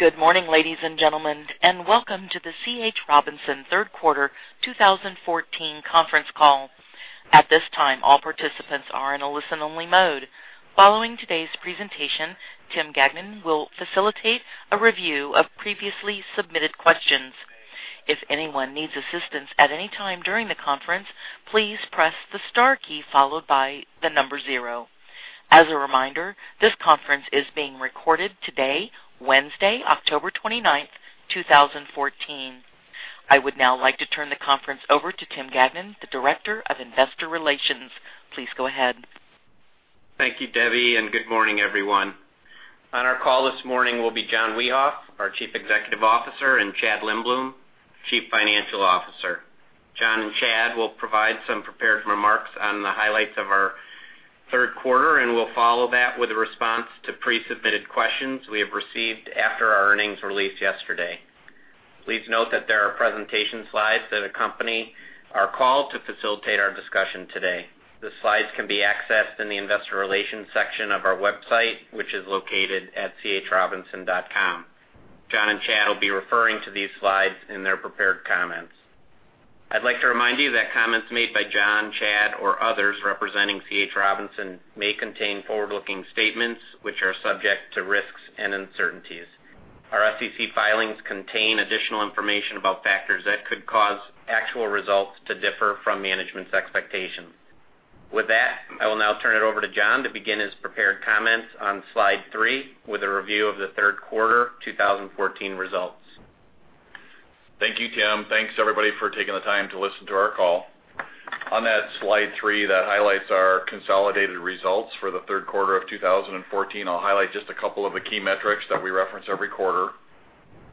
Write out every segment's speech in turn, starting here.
Welcome to the C.H. Robinson third quarter 2014 conference call. At this time, all participants are in a listen-only mode. Following today's presentation, Tim Gagnon will facilitate a review of previously submitted questions. If anyone needs assistance at any time during the conference, please press the star key followed by the number zero. As a reminder, this conference is being recorded today, Wednesday, October 29, 2014. I would now like to turn the conference over to Tim Gagnon, the Director of Investor Relations. Please go ahead. Thank you, Debbie. Good morning, everyone. On our call this morning will be John Wiehoff, our Chief Executive Officer, and Chad Lindbloom, Chief Financial Officer. John and Chad will provide some prepared remarks on the highlights of our third quarter. We'll follow that with a response to pre-submitted questions we have received after our earnings release yesterday. Please note that there are presentation slides that accompany our call to facilitate our discussion today. The slides can be accessed in the investor relations section of our website, which is located at chrobinson.com. John and Chad will be referring to these slides in their prepared comments. I'd like to remind you that comments made by John, Chad, or others representing C.H. Robinson may contain forward-looking statements which are subject to risks and uncertainties. Our SEC filings contain additional information about factors that could cause actual results to differ from management's expectations. With that, I will now turn it over to John to begin his prepared comments on Slide 3 with a review of the third quarter 2014 results. Thank you, Tim. Thanks, everybody, for taking the time to listen to our call. On that slide 3 that highlights our consolidated results for the third quarter of 2014, I'll highlight just a couple of the key metrics that we reference every quarter.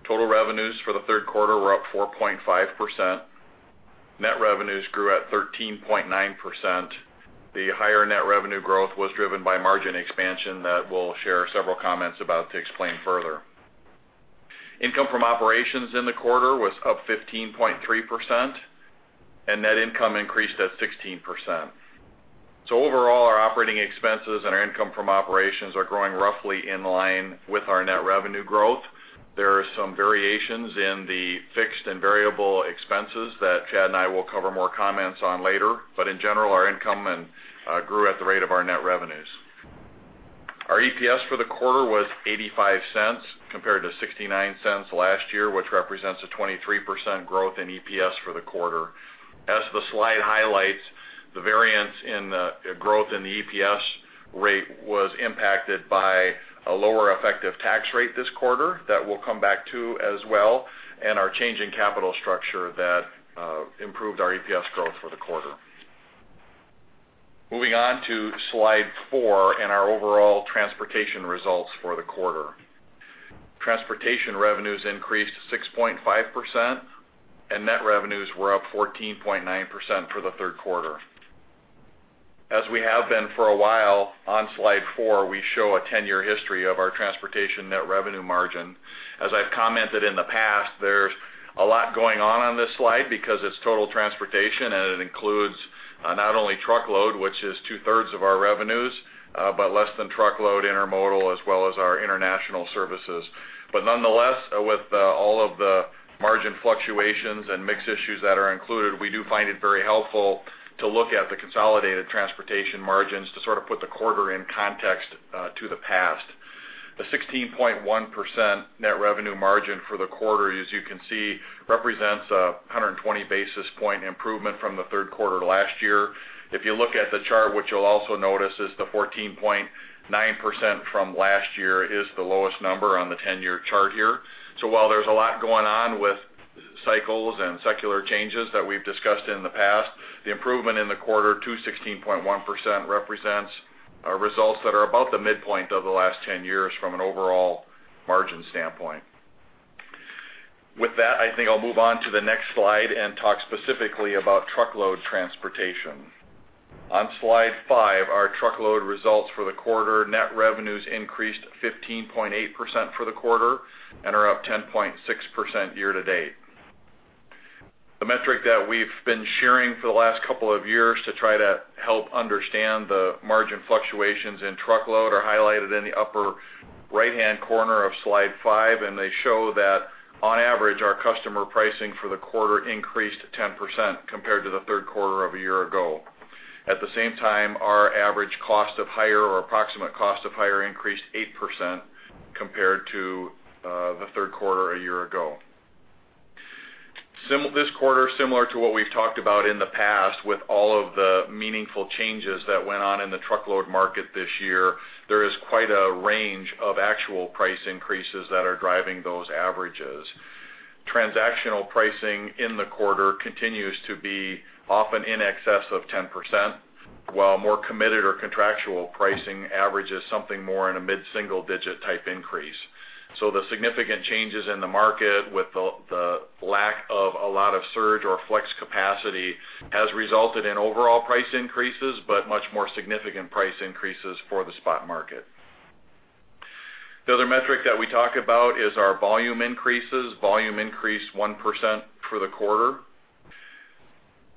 Total revenues for the third quarter were up 4.5%. Net revenues grew at 13.9%. The higher net revenue growth was driven by margin expansion that we'll share several comments about to explain further. Income from operations in the quarter was up 15.3%. Net income increased at 16%. Overall, our operating expenses and our income from operations are growing roughly in line with our net revenue growth. There are some variations in the fixed and variable expenses that Chad and I will cover more comments on later. In general, our income grew at the rate of our net revenues. Our EPS for the quarter was $0.85 compared to $0.69 last year, which represents a 23% growth in EPS for the quarter. As the slide highlights, the variance in the growth in the EPS rate was impacted by a lower effective tax rate this quarter that we'll come back to as well, and our change in capital structure that improved our EPS growth for the quarter. Moving on to slide 4 and our overall transportation results for the quarter. Transportation revenues increased 6.5%, and net revenues were up 14.9% for the third quarter. As we have been for a while, on slide 4, we show a 10-year history of our transportation net revenue margin. As I've commented in the past, there's a lot going on on this slide because it's total transportation, and it includes not only truckload, which is two-thirds of our revenues, but less than truckload intermodal, as well as our international services. Nonetheless, with all of the margin fluctuations and mix issues that are included, we do find it very helpful to look at the consolidated transportation margins to sort of put the quarter in context to the past. The 16.1% net revenue margin for the quarter, as you can see, represents a 120 basis point improvement from the third quarter last year. If you look at the chart, what you'll also notice is the 14.9% from last year is the lowest number on the 10-year chart here. While there's a lot going on with cycles and secular changes that we've discussed in the past, the improvement in the quarter to 16.1% represents results that are about the midpoint of the last 10 years from an overall margin standpoint. With that, I think I'll move on to the next slide and talk specifically about truckload transportation. On slide 5, our truckload results for the quarter net revenues increased 15.8% for the quarter and are up 10.6% year to date. The metric that we've been sharing for the last couple of years to try to help understand the margin fluctuations in truckload are highlighted in the upper right-hand corner of slide 5, and they show that on average, our customer pricing for the quarter increased 10% compared to the third quarter of a year ago. At the same time, our average cost of hire or approximate cost of hire increased 8% compared to the third quarter a year ago. This quarter, similar to what we've talked about in the past with all of the meaningful changes that went on in the truckload market this year, there is quite a range of actual price increases that are driving those averages. Transactional pricing in the quarter continues to be often in excess of 10%, while more committed or contractual pricing averages something more in a mid-single digit type increase. The significant changes in the market with the lack of a lot of surge or flex capacity has resulted in overall price increases, but much more significant price increases for the spot market. The other metric that we talk about is our volume increases. Volume increased 1% for the quarter.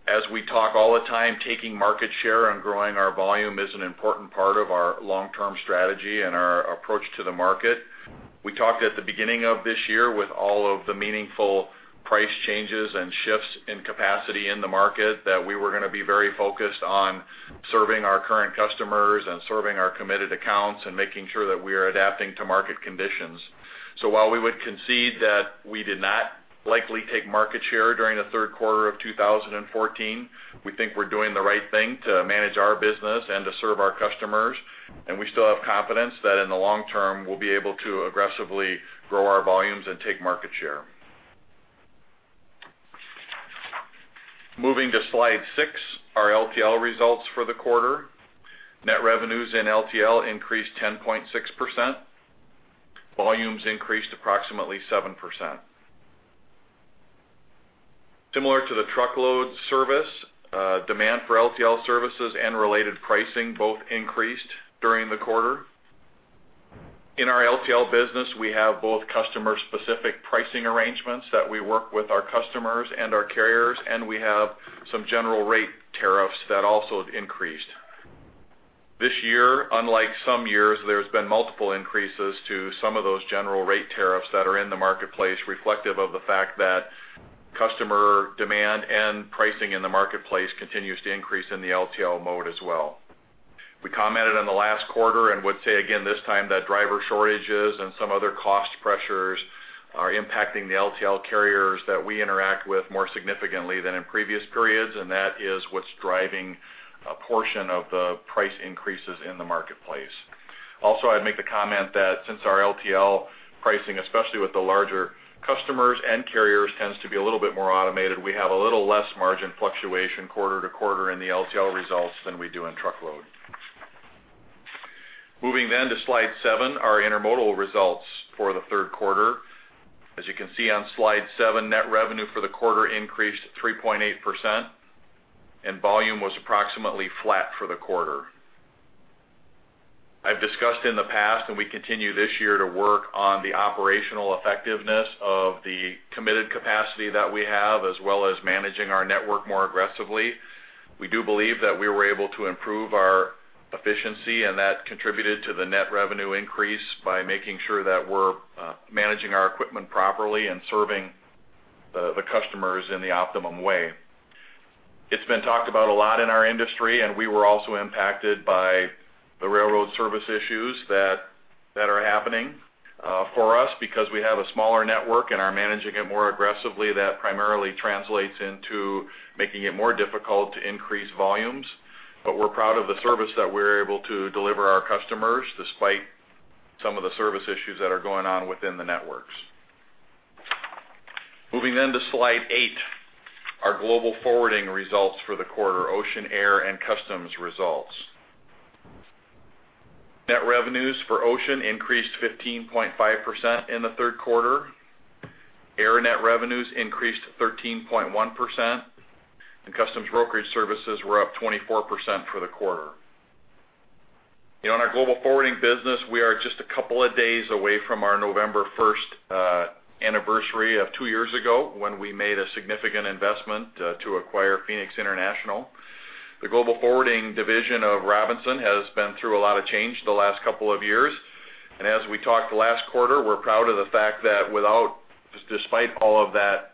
As we talk all the time, taking market share and growing our volume is an important part of our long-term strategy and our approach to the market. We talked at the beginning of this year with all of the meaningful price changes and shifts in capacity in the market, that we were going to be very focused on serving our current customers and serving our committed accounts, and making sure that we are adapting to market conditions. While we would concede that we did not likely take market share during the third quarter of 2014, we think we're doing the right thing to manage our business and to serve our customers, and we still have confidence that in the long term, we'll be able to aggressively grow our volumes and take market share. Moving to slide 6, our LTL results for the quarter. Net revenues in LTL increased 10.6%. Volumes increased approximately 7%. Similar to the truckload service, demand for LTL services and related pricing both increased during the quarter. In our LTL business, we have both customer-specific pricing arrangements that we work with our customers and our carriers, and we have some general rate tariffs that also have increased. This year, unlike some years, there's been multiple increases to some of those general rate tariffs that are in the marketplace, reflective of the fact that customer demand and pricing in the marketplace continues to increase in the LTL mode as well. We commented on the last quarter and would say again this time that driver shortages and some other cost pressures are impacting the LTL carriers that we interact with more significantly than in previous periods, and that is what's driving a portion of the price increases in the marketplace. I'd make the comment that since our LTL pricing, especially with the larger customers and carriers, tends to be a little bit more automated, we have a little less margin fluctuation quarter to quarter in the LTL results than we do in truckload. Moving to slide 7, our intermodal results for the third quarter. As you can see on slide 7, net revenue for the quarter increased 3.8%, and volume was approximately flat for the quarter. I've discussed in the past, and we continue this year to work on the operational effectiveness of the committed capacity that we have, as well as managing our network more aggressively. We do believe that we were able to improve our efficiency, and that contributed to the net revenue increase by making sure that we're managing our equipment properly and serving the customers in the optimum way. It's been talked about a lot in our industry, we were also impacted by the railroad service issues that are happening. For us, because we have a smaller network and are managing it more aggressively, that primarily translates into making it more difficult to increase volumes. We're proud of the service that we're able to deliver our customers, despite some of the service issues that are going on within the networks. Moving to slide 8, our global forwarding results for the quarter, ocean, air, and customs results. Net revenues for ocean increased 15.5% in the third quarter. Air net revenues increased 13.1%, and customs brokerage services were up 24% for the quarter. In our global forwarding business, we are just a couple of days away from our November 1st anniversary of two years ago, when we made a significant investment to acquire Phoenix International. The global forwarding division of Robinson has been through a lot of change the last couple of years, and as we talked last quarter, we're proud of the fact that despite all of that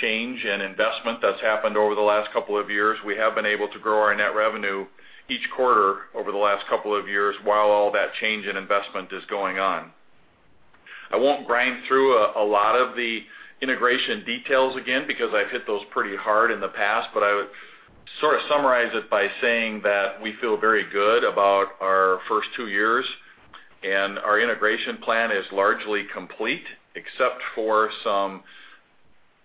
change and investment that's happened over the last couple of years, we have been able to grow our net revenue each quarter over the last couple of years while all that change and investment is going on. I won't grind through a lot of the integration details again, because I've hit those pretty hard in the past. I would sort of summarize it by saying that we feel very good about our first two years, and our integration plan is largely complete, except for some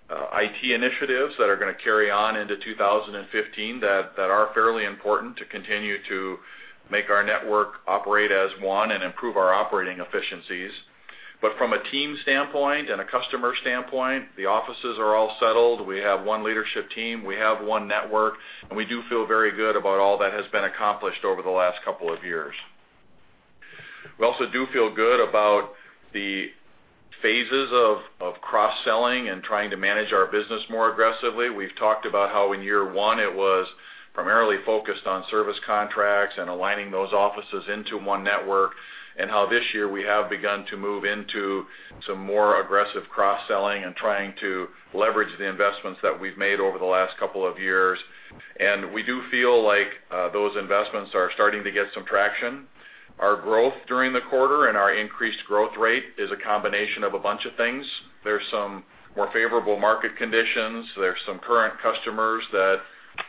IT initiatives that are going to carry on into 2015 that are fairly important to continue to make our network operate as one and improve our operating efficiencies. From a team standpoint and a customer standpoint, the offices are all settled. We have one leadership team, we have one network, and we do feel very good about all that has been accomplished over the last couple of years. We also do feel good about the phases of cross-selling and trying to manage our business more aggressively. We've talked about how in year one, it was primarily focused on service contracts and aligning those offices into one network, and how this year we have begun to move into some more aggressive cross-selling and trying to leverage the investments that we've made over the last couple of years. We do feel like those investments are starting to get some traction. Our growth during the quarter and our increased growth rate is a combination of a bunch of things. There's some more favorable market conditions. There's some current customers that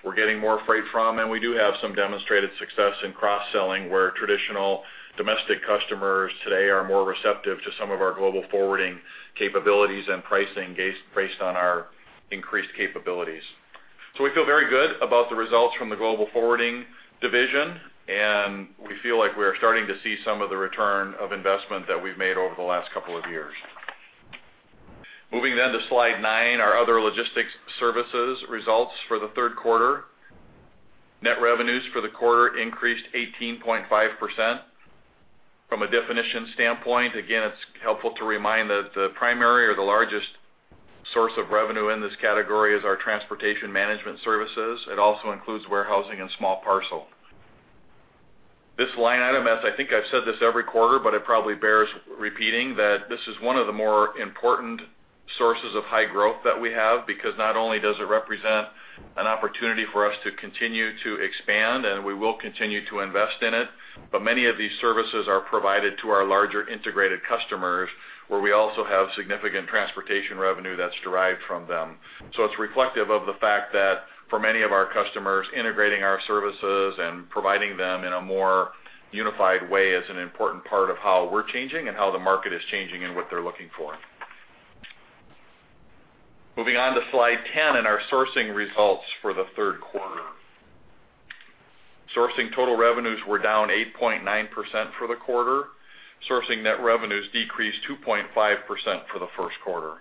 we're getting more freight from, and we do have some demonstrated success in cross-selling, where traditional domestic customers today are more receptive to some of our global forwarding capabilities and pricing based on our increased capabilities. We feel very good about the results from the global forwarding division, and we feel like we are starting to see some of the return of investment that we've made over the last couple of years. Moving to slide 9, our other logistics services results for the third quarter. Net revenues for the quarter increased 18.5%. From a definition standpoint, again, it's helpful to remind that the primary or the largest source of revenue in this category is our transportation management services. It also includes warehousing and small parcel. This line item, as I think I've said this every quarter, but it probably bears repeating, that this is one of the more important sources of high growth that we have, because not only does it represent an opportunity for us to continue to expand, and we will continue to invest in it, but many of these services are provided to our larger integrated customers, where we also have significant transportation revenue that's derived from them. It's reflective of the fact that for many of our customers, integrating our services and providing them in a more unified way is an important part of how we're changing and how the market is changing and what they're looking for. Moving on to slide 10 and our Sourcing results for the third quarter. Sourcing total revenues were down 8.9% for the quarter. Sourcing net revenues decreased 2.5% for the first quarter.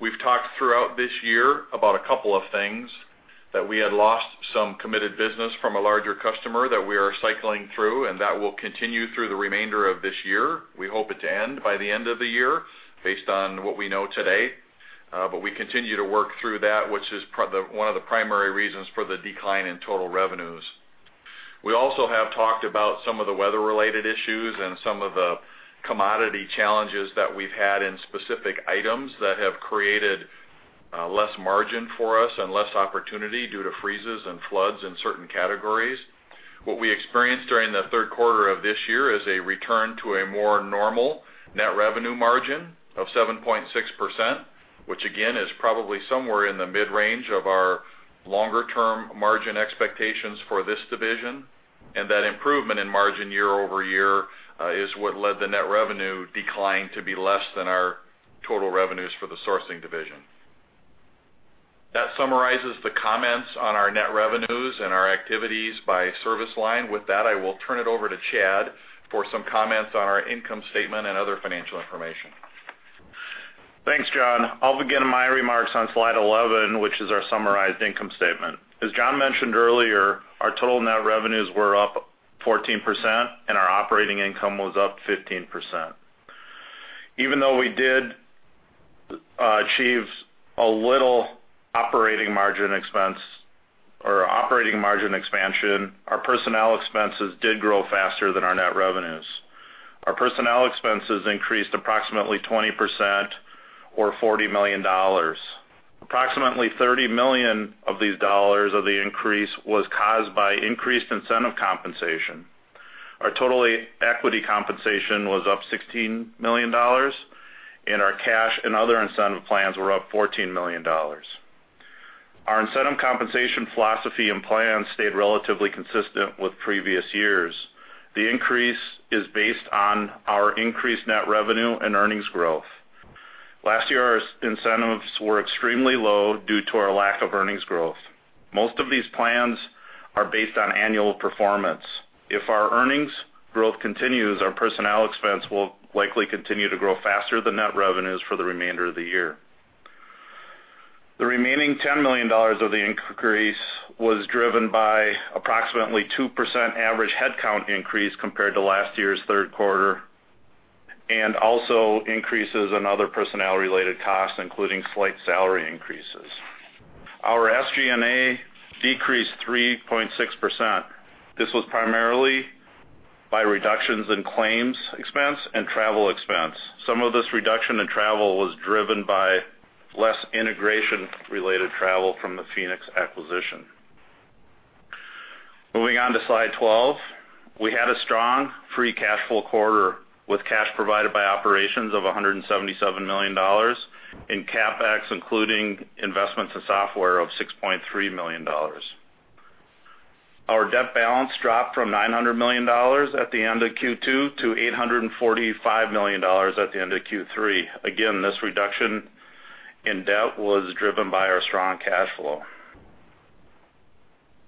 We've talked throughout this year about a couple of things, that we had lost some committed business from a larger customer that we are cycling through, and that will continue through the remainder of this year. We hope it to end by the end of the year, based on what we know today. We continue to work through that, which is one of the primary reasons for the decline in total revenues. We also have talked about some of the weather-related issues and some of the commodity challenges that we've had in specific items that have created less margin for us and less opportunity due to freezes and floods in certain categories. What we experienced during the third quarter of this year is a return to a more normal net revenue margin of 7.6%, which again, is probably somewhere in the mid-range of our longer-term margin expectations for this division. That improvement in margin year-over-year is what led the net revenue decline to be less than our total revenues for the sourcing division. That summarizes the comments on our net revenues and our activities by service line. With that, I will turn it over to Chad for some comments on our income statement and other financial information. Thanks, John. I'll begin my remarks on slide 11, which is our summarized income statement. As John mentioned earlier, our total net revenues were up 14%, and our operating income was up 15%. Even though we did achieve a little operating margin expansion, our personnel expenses did grow faster than our net revenues. Our personnel expenses increased approximately 20% or $40 million. Approximately $30 million of these dollars of the increase was caused by increased incentive compensation. Our total equity compensation was up $16 million, and our cash and other incentive plans were up $14 million. Our incentive compensation philosophy and plan stayed relatively consistent with previous years. The increase is based on our increased net revenue and earnings growth. Last year, our incentives were extremely low due to our lack of earnings growth. Most of these plans are based on annual performance. If our earnings growth continues, our personnel expense will likely continue to grow faster than net revenues for the remainder of the year. The remaining $10 million of the increase was driven by approximately 2% average headcount increase compared to last year's third quarter, and also increases in other personnel-related costs, including slight salary increases. Our SG&A decreased 3.6%. This was primarily by reductions in claims expense and travel expense. Some of this reduction in travel was driven by less integration-related travel from the Phoenix acquisition. Moving on to slide 12. We had a strong free cash flow quarter with cash provided by operations of $177 million in CapEx, including investments in software of $6.3 million. Our debt balance dropped from $900 million at the end of Q2 to $845 million at the end of Q3. Again, this reduction in debt was driven by our strong cash flow.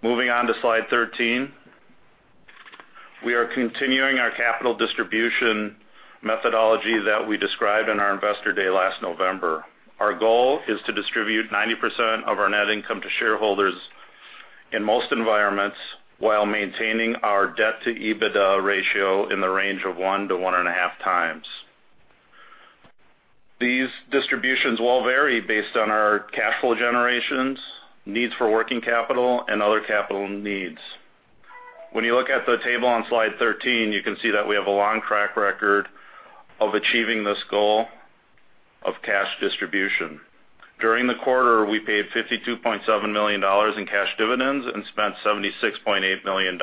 Moving on to slide 13. We are continuing our capital distribution methodology that we described in our investor day last November. Our goal is to distribute 90% of our net income to shareholders in most environments while maintaining our debt-to-EBITDA ratio in the range of one to one and a half times. These distributions will vary based on our cash flow generations, needs for working capital, and other capital needs. When you look at the table on slide 13, you can see that we have a long track record of achieving this goal of cash distribution. During the quarter, we paid $52.7 million in cash dividends and spent $76.8 million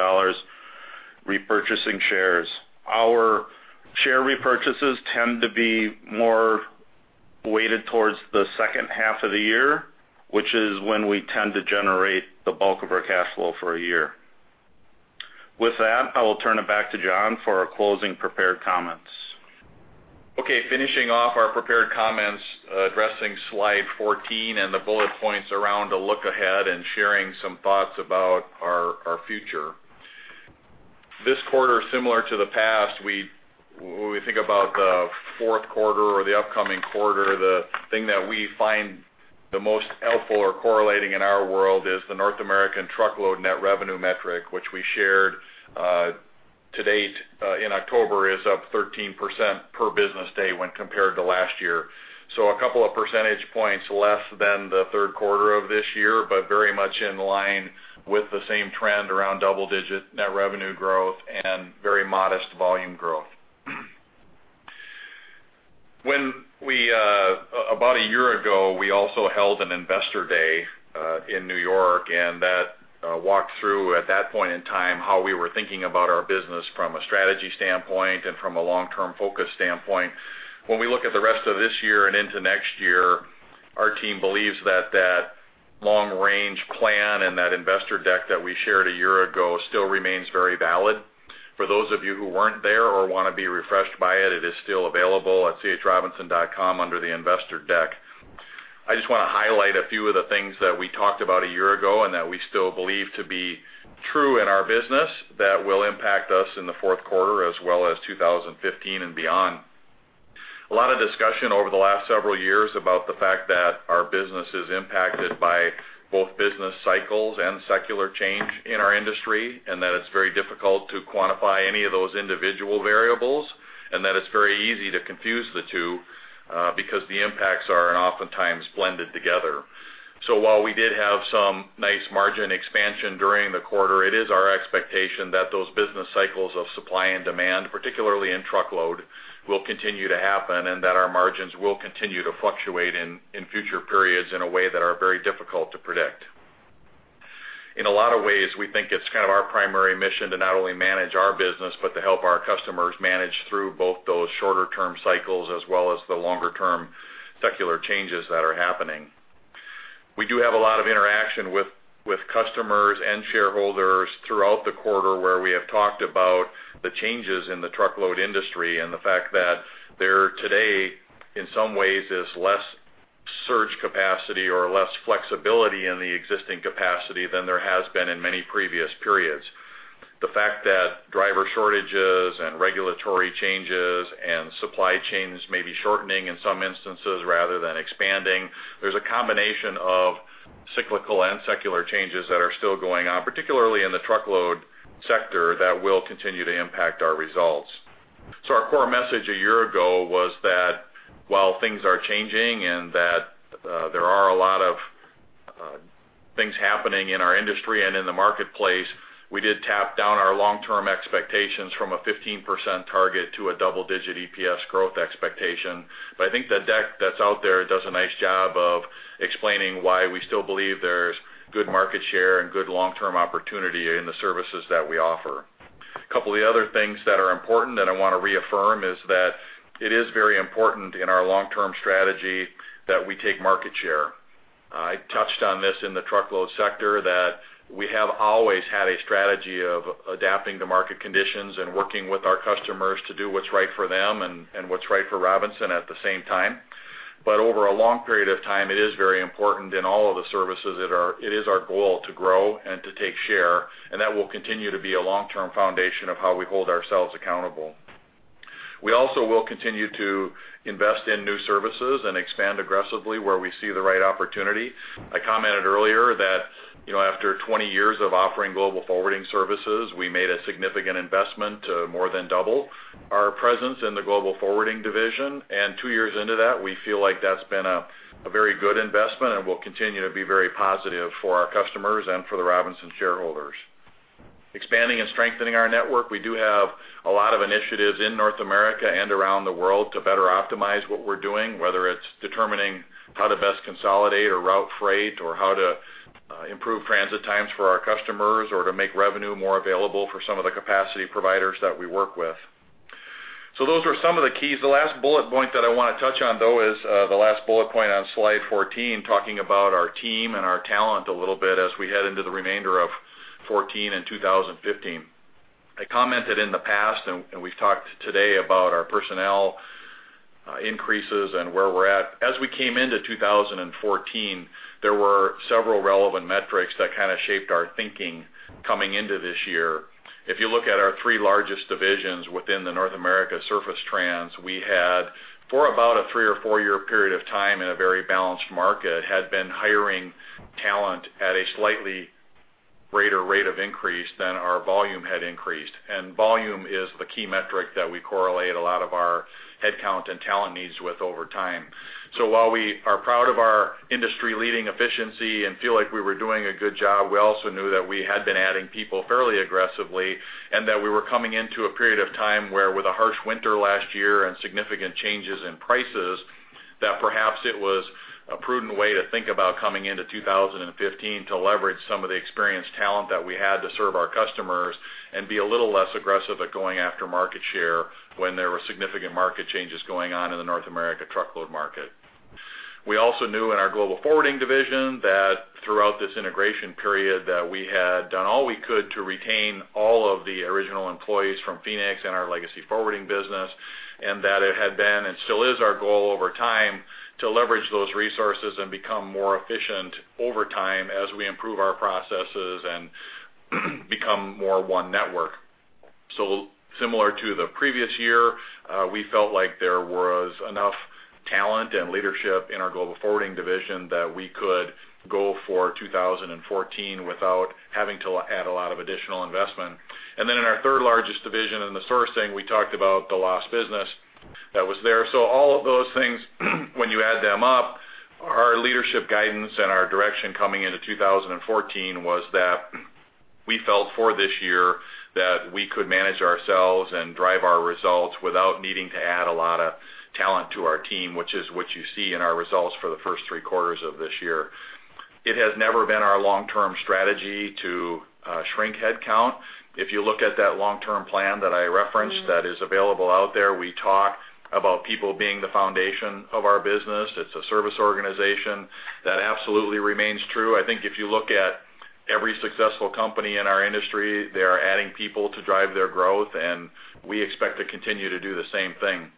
repurchasing shares. Our share repurchases tend to be more weighted towards the second half of the year, which is when we tend to generate the bulk of our cash flow for a year. With that, I will turn it back to John for our closing prepared comments. Okay. Finishing off our prepared comments, addressing slide 14 and the bullet points around a look ahead and sharing some thoughts about our future. This quarter, similar to the past, when we think about the fourth quarter or the upcoming quarter, the thing that we find the most helpful or correlating in our world is the North American truckload net revenue metric, which we shared to date in October is up 13% per business day when compared to last year. A couple of percentage points less than the third quarter of this year, but very much in line with the same trend around double-digit net revenue growth and very modest volume growth. About a year ago, we also held an investor day in New York. That walked through, at that point in time, how we were thinking about our business from a strategy standpoint and from a long-term focus standpoint. When we look at the rest of this year and into next year, our team believes that long range plan and that investor deck that we shared a year ago still remains very valid. For those of you who weren't there or want to be refreshed by it is still available at chrobinson.com under the investor deck. I just want to highlight a few of the things that we talked about a year ago and that we still believe to be true in our business that will impact us in the fourth quarter as well as 2015 and beyond. Discussion over the last several years about the fact that our business is impacted by both business cycles and secular change in our industry, and that it's very difficult to quantify any of those individual variables, and that it's very easy to confuse the two, because the impacts are oftentimes blended together. While we did have some nice margin expansion during the quarter, it is our expectation that those business cycles of supply and demand, particularly in truckload, will continue to happen and that our margins will continue to fluctuate in future periods in a way that are very difficult to predict. In a lot of ways, we think it's kind of our primary mission to not only manage our business but to help our customers manage through both those shorter-term cycles as well as the longer-term secular changes that are happening. We do have a lot of interaction with customers and shareholders throughout the quarter where we have talked about the changes in the truckload industry and the fact that there today, in some ways, is less surge capacity or less flexibility in the existing capacity than there has been in many previous periods. The fact that driver shortages and regulatory changes and supply chains may be shortening in some instances rather than expanding, there is a combination of cyclical and secular changes that are still going on, particularly in the truckload sector, that will continue to impact our results. Our core message a year ago was that while things are changing and that there are a lot of things happening in our industry and in the marketplace, we did tap down our long-term expectations from a 15% target to a double-digit EPS growth expectation. I think the deck that's out there does a nice job of explaining why we still believe there is good market share and good long-term opportunity in the services that we offer. A couple of the other things that are important that I want to reaffirm is that it is very important in our long-term strategy that we take market share. I touched on this in the truckload sector, that we have always had a strategy of adapting to market conditions and working with our customers to do what's right for them and what's right for Robinson at the same time. Over a long period of time, it is very important in all of the services, it is our goal to grow and to take share, and that will continue to be a long-term foundation of how we hold ourselves accountable. We also will continue to invest in new services and expand aggressively where we see the right opportunity. I commented earlier that after 20 years of offering global forwarding services, we made a significant investment to more than double our presence in the global forwarding division. Two years into that, we feel like that's been a very good investment and will continue to be very positive for our customers and for the Robinson shareholders. Expanding and strengthening our network, we do have a lot of initiatives in North America and around the world to better optimize what we're doing, whether it's determining how to best consolidate or route freight, or how to improve transit times for our customers, or to make revenue more available for some of the capacity providers that we work with. Those are some of the keys. The last bullet point that I want to touch on, though, is the last bullet point on slide 14, talking about our team and our talent a little bit as we head into the remainder of 2014 and 2015. I commented in the past, and we've talked today about our personnel increases and where we're at. As we came into 2014, there were several relevant metrics that kind of shaped our thinking coming into this year. If you look at our three largest divisions within the North America surface trans, we had for about a three or four year period of time in a very balanced market, had been hiring talent at a slightly greater rate of increase than our volume had increased. Volume is the key metric that we correlate a lot of our headcount and talent needs with over time. While we are proud of our industry-leading efficiency and feel like we were doing a good job, we also knew that we had been adding people fairly aggressively and that we were coming into a period of time where with a harsh winter last year and significant changes in prices, that perhaps it was a prudent way to think about coming into 2015 to leverage some of the experienced talent that we had to serve our customers and be a little less aggressive at going after market share when there were significant market changes going on in the North America truckload market. We also knew in our global forwarding division that throughout this integration period, that we had done all we could to retain all of the original employees from Phoenix and our legacy forwarding business, and that it had been and still is our goal over time to leverage those resources and become more efficient over time as we improve our processes and become more one network. Similar to the previous year, we felt like there was enough talent and leadership in our global forwarding division that we could go for 2014 without having to add a lot of additional investment. Then in our third largest division, in the sourcing, we talked about the lost business that was there. All of those things, when you add them up, our leadership guidance and our direction coming into 2014 was that we felt for this year that we could manage ourselves and drive our results without needing to add a lot of talent to our team, which is what you see in our results for the first three quarters of this year. It has never been our long-term strategy to shrink headcount. If you look at that long-term plan that I referenced that is available out there, we talk about people being the foundation of our business. It's a service organization. That absolutely remains true. I think if you look at every successful company in our industry, they are adding people to drive their growth, and we expect to continue to do the same thing.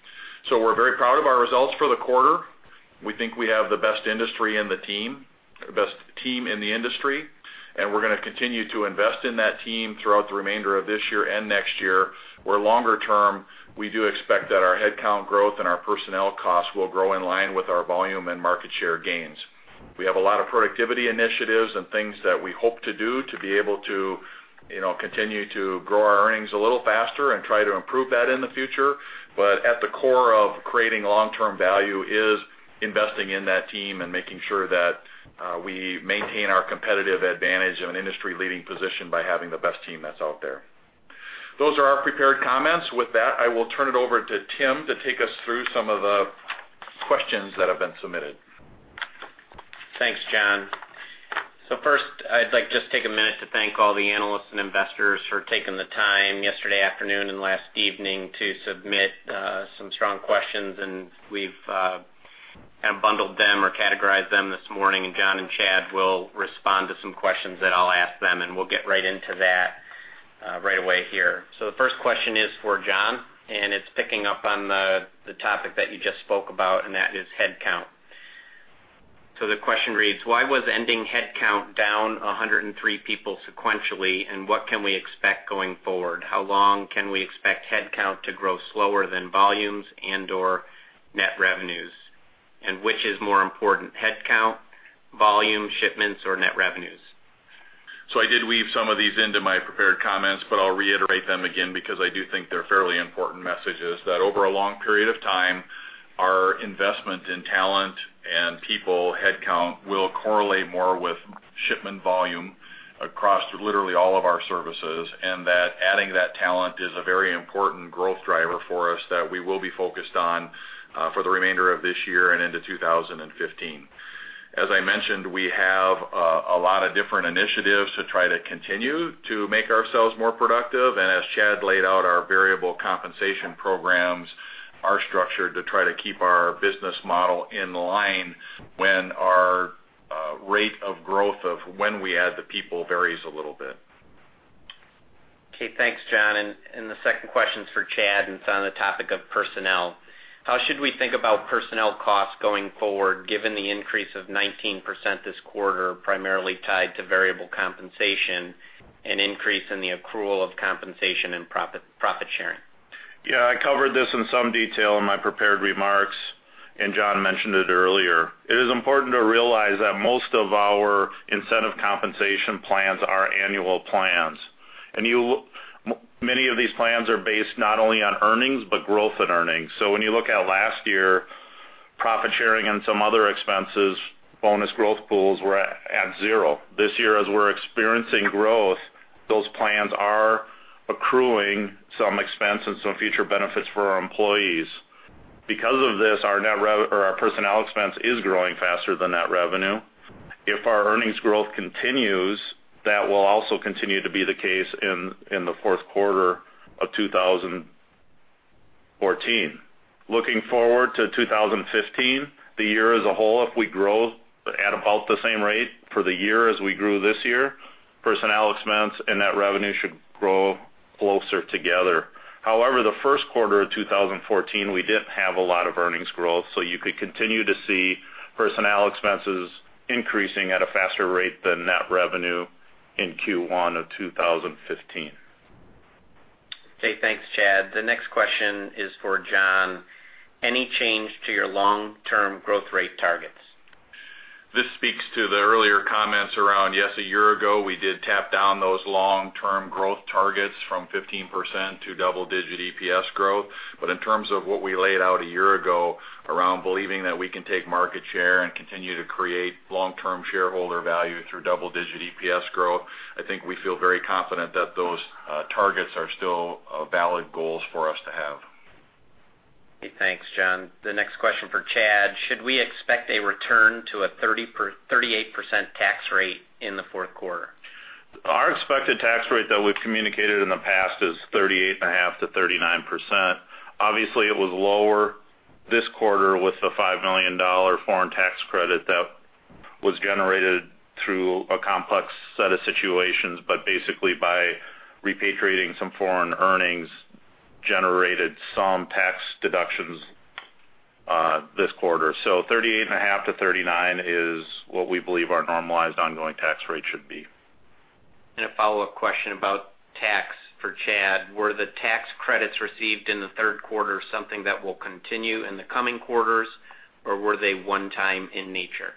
We're very proud of our results for the quarter. We think we have the best team in the industry, and we're going to continue to invest in that team throughout the remainder of this year and next year, where longer term, we do expect that our headcount growth and our personnel costs will grow in line with our volume and market share gains. We have a lot of productivity initiatives and things that we hope to do to be able to continue to grow our earnings a little faster and try to improve that in the future. At the core of creating long-term value is investing in that team and making sure that we maintain our competitive advantage of an industry-leading position by having the best team that's out there. Those are our prepared comments. With that, I will turn it over to Tim to take us through some of the questions that have been submitted. Thanks, John. First, I'd like to just take a minute to thank all the analysts and investors for taking the time yesterday afternoon and last evening to submit some strong questions. We've kind of bundled them or categorized them this morning. John and Chad will respond to some questions that I'll ask them, and we'll get right into that right away here. The first question is for John, and it's picking up on the topic that you just spoke about, and that is headcount. The question reads, why was ending headcount down 103 people sequentially, and what can we expect going forward? How long can we expect headcount to grow slower than volumes and/or net revenues? Which is more important, headcount, volume, shipments, or net revenues? I did weave some of these into my prepared comments, but I'll reiterate them again because I do think they're fairly important messages that over a long period of time, our investment in talent and people headcount will correlate more with shipment volume across literally all of our services. Adding that talent is a very important growth driver for us that we will be focused on for the remainder of this year and into 2015. As I mentioned, we have a lot of different initiatives to try to continue to make ourselves more productive. As Chad laid out, our variable compensation programs are structured to try to keep our business model in line when our rate of growth of when we add the people varies a little bit. Okay, thanks, John. The second question's for Chad, and it's on the topic of personnel. How should we think about personnel costs going forward, given the increase of 19% this quarter, primarily tied to variable compensation and increase in the accrual of compensation and profit sharing? Yeah, I covered this in some detail in my prepared remarks, John mentioned it earlier. It is important to realize that most of our incentive compensation plans are annual plans. Many of these plans are based not only on earnings, but growth in earnings. When you look at last year, profit sharing and some other expenses, bonus growth pools were at zero. This year, as we're experiencing growth, those plans are accruing some expense and some future benefits for our employees. Because of this, our personnel expense is growing faster than net revenue. If our earnings growth continues, that will also continue to be the case in the fourth quarter of 2014. Looking forward to 2015, the year as a whole, if we grow at about the same rate for the year as we grew this year, personnel expense and net revenue should grow closer together. However, the first quarter of 2014, we didn't have a lot of earnings growth, you could continue to see personnel expenses increasing at a faster rate than net revenue in Q1 of 2015. Okay, thanks, Chad. The next question is for John. Any change to your long-term growth rate targets? This speaks to the earlier comments around, yes, a year ago, we did tap down those long-term growth targets from 15% to double-digit EPS growth. In terms of what we laid out a year ago around believing that we can take market share and continue to create long-term shareholder value through double-digit EPS growth, I think we feel very confident that those targets are still valid goals for us to have. Okay, thanks, John. The next question for Chad. Should we expect a return to a 38% tax rate in the fourth quarter? Our expected tax rate that we've communicated in the past is 38.5%-39%. Obviously, it was lower this quarter with the $5 million foreign tax credit that was generated through a complex set of situations, but basically by repatriating some foreign earnings, generated some tax deductions this quarter. 38.5%-39% is what we believe our normalized ongoing tax rate should be. A follow-up question about tax for Chad. Were the tax credits received in the third quarter something that will continue in the coming quarters, or were they one-time in nature?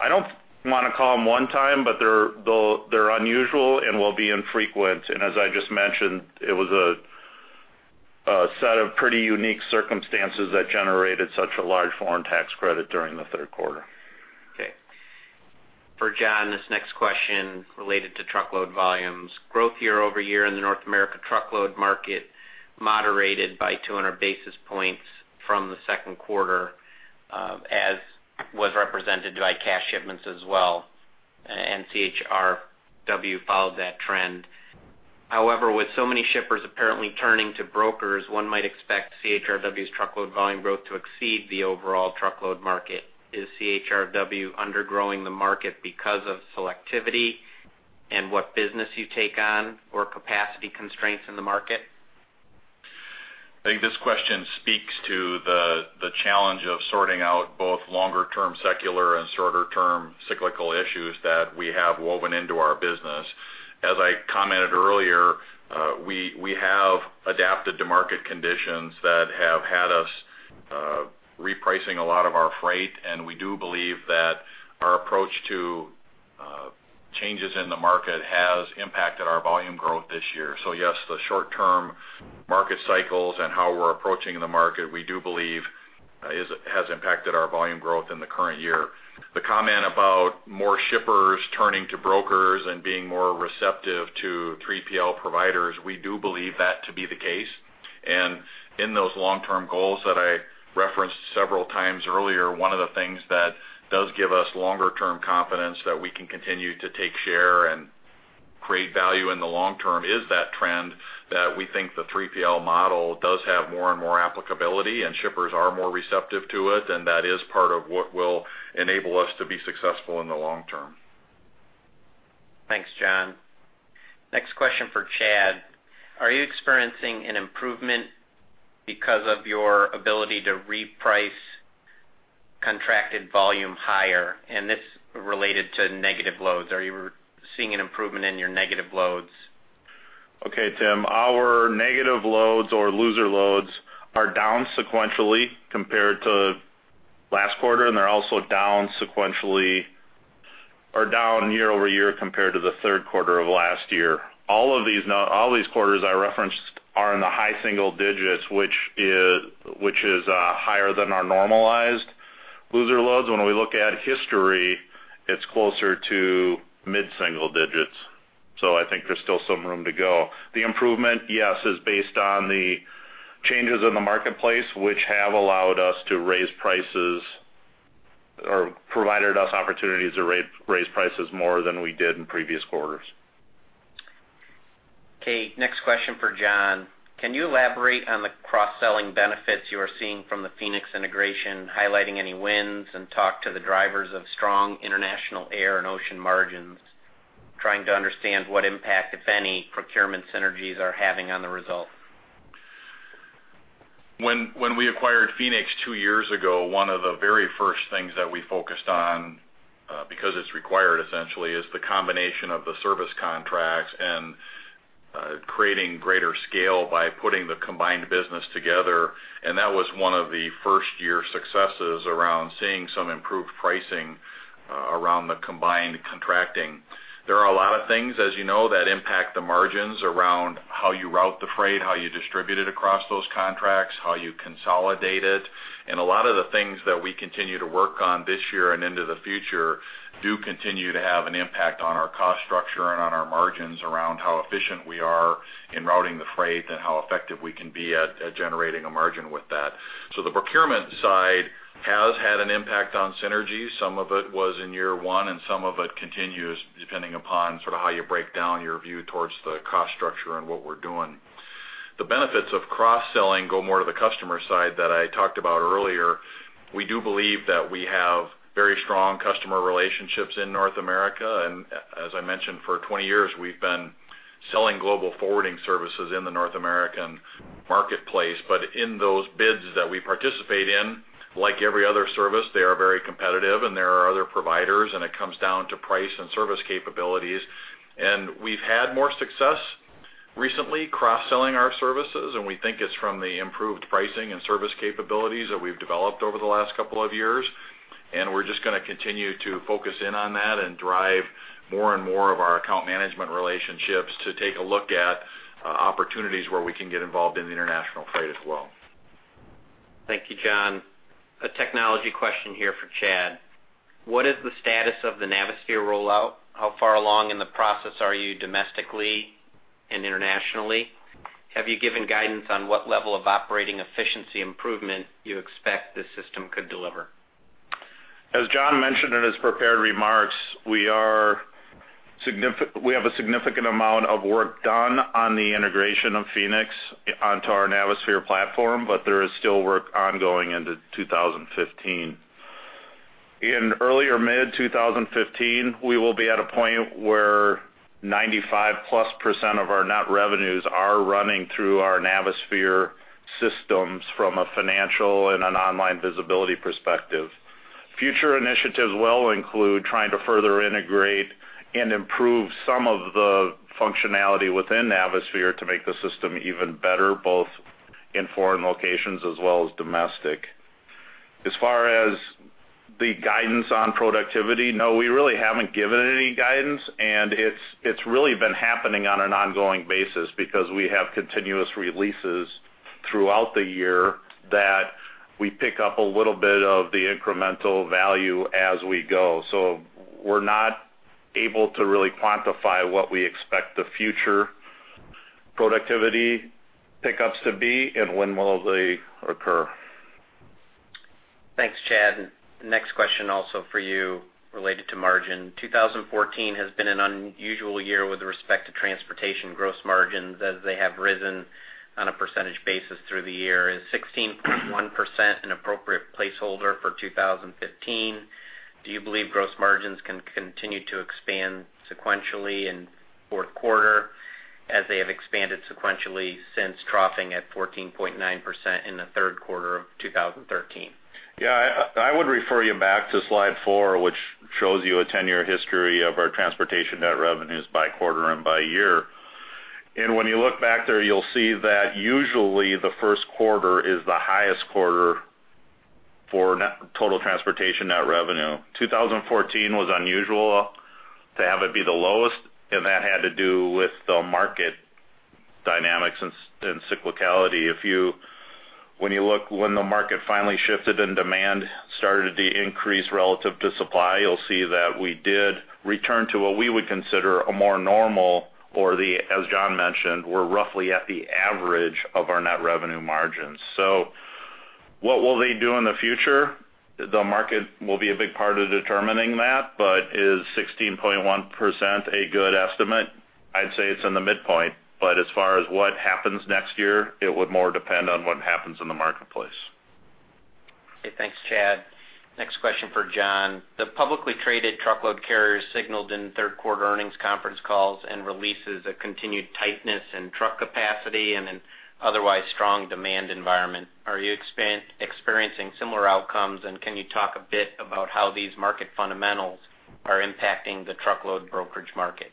I don't want to call them one time, but they're unusual and will be infrequent. As I just mentioned, it was a set of pretty unique circumstances that generated such a large foreign tax credit during the third quarter. Okay. For John Wiehoff, this next question related to truckload volumes. Growth year-over-year in the North America truckload market moderated by 200 basis points from the second quarter, as was represented by Cass Shipments as well, and CHRW followed that trend. However, with so many shippers apparently turning to brokers, one might expect CHRW's truckload volume growth to exceed the overall truckload market. Is CHRW undergrowing the market because of selectivity and what business you take on, or capacity constraints in the market? I think this question speaks to the challenge of sorting out both longer-term secular and shorter-term cyclical issues that we have woven into our business. As I commented earlier, we have adapted to market conditions that have had us repricing a lot of our freight, and we do believe that our approach to changes in the market has impacted our volume growth this year. Yes, the short-term market cycles and how we're approaching the market, we do believe has impacted our volume growth in the current year. The comment about more shippers turning to brokers and being more receptive to 3PL providers, we do believe that to be the case. In those long-term goals that I referenced several times earlier, one of the things that does give us longer-term confidence that we can continue to take share and create value in the long term is that trend that we think the 3PL model does have more and more applicability, and shippers are more receptive to it, and that is part of what will enable us to be successful in the long term. Thanks, John. Next question for Chad. Are you experiencing an improvement because of your ability to reprice contracted volume higher? This related to negative loads. Are you seeing an improvement in your negative loads? Okay, Tim. Our negative loads or loser loads are down sequentially compared to last quarter, and they're also down year-over-year compared to the third quarter of last year. All of these quarters I referenced are in the high single digits, which is higher than our normalized loser loads. When we look at history, it's closer to mid-single digits. I think there's still some room to go. The improvement, yes, is based on the changes in the marketplace, which have allowed us to raise prices or provided us opportunities to raise prices more than we did in previous quarters. Okay, next question for John. Can you elaborate on the cross-selling benefits you are seeing from the Phoenix integration, highlighting any wins, and talk to the drivers of strong international air and ocean margins? Trying to understand what impact, if any, procurement synergies are having on the result. When we acquired Phoenix two years ago, one of the very first things that we focused on, because it's required essentially, is the combination of the service contracts and creating greater scale by putting the combined business together. That was one of the first-year successes around seeing some improved pricing around the combined contracting. There are a lot of things, as you know, that impact the margins around how you route the freight, how you distribute it across those contracts, how you consolidate it. A lot of the things that we continue to work on this year and into the future do continue to have an impact on our cost structure and on our margins around how efficient we are in routing the freight and how effective we can be at generating a margin with that. The procurement side has had an impact on synergy. Some of it was in year one, some of it continues depending upon how you break down your view towards the cost structure and what we're doing. The benefits of cross-selling go more to the customer side that I talked about earlier. We do believe that we have very strong customer relationships in North America, as I mentioned, for 20 years, we've been selling global forwarding services in the North American marketplace. In those bids that we participate in, like every other service, they are very competitive and there are other providers, and it comes down to price and service capabilities. We've had more success recently cross-selling our services, and we think it's from the improved pricing and service capabilities that we've developed over the last couple of years. We're just going to continue to focus in on that and drive more and more of our account management relationships to take a look at opportunities where we can get involved in the international freight as well. Thank you, John. A technology question here for Chad. What is the status of the Navisphere rollout? How far along in the process are you domestically and internationally? Have you given guidance on what level of operating efficiency improvement you expect this system could deliver? As John mentioned in his prepared remarks, we have a significant amount of work done on the integration of Phoenix onto our Navisphere platform, but there is still work ongoing into 2015. In early or mid-2015, we will be at a point where 95%+ of our net revenues are running through our Navisphere systems from a financial and an online visibility perspective. Future initiatives will include trying to further integrate and improve some of the functionality within Navisphere to make the system even better, both in foreign locations as well as domestic. As far as the guidance on productivity, no, we really haven't given any guidance, and it's really been happening on an ongoing basis, because we have continuous releases throughout the year that we pick up a little bit of the incremental value as we go. We're not able to really quantify what we expect the future productivity pickups to be and when will they occur. Thanks, Chad. Next question, also for you, related to margin. 2014 has been an unusual year with respect to transportation gross margins, as they have risen on a percentage basis through the year. Is 16.1% an appropriate placeholder for 2015? Do you believe gross margins can continue to expand sequentially in the fourth quarter as they have expanded sequentially since troughing at 14.9% in the third quarter of 2013? Yeah. I would refer you back to slide 4, which shows you a 10-year history of our transportation net revenues by quarter and by year. When you look back there, you'll see that usually the first quarter is the highest quarter for total transportation net revenue. 2014 was unusual to have it be the lowest, and that had to do with the market dynamics and cyclicality. When you look when the market finally shifted and demand started to increase relative to supply, you'll see that we did return to what we would consider a more normal, or as John mentioned, we're roughly at the average of our net revenue margins. What will they do in the future? The market will be a big part of determining that. Is 16.1% a good estimate? I'd say it's in the midpoint, as far as what happens next year, it would more depend on what happens in the marketplace. Okay. Thanks, Chad. Next question for John. The publicly traded truckload carriers signaled in third quarter earnings conference calls and releases a continued tightness in truck capacity and an otherwise strong demand environment. Are you experiencing similar outcomes, and can you talk a bit about how these market fundamentals are impacting the truckload brokerage market?